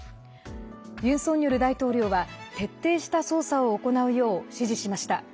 ユン・ソンニョル大統領は徹底した捜査を行うよう指示しました。